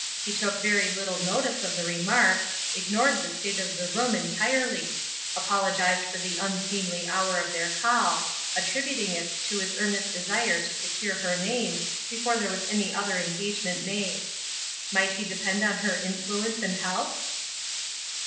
He took very little notice of the remark; ignored the state of the room utterly; apologized for the unseemly hour of their call, attributing it to his earnest desire to secure her name before there was any other engagement made; "might he depend on her influence and help?"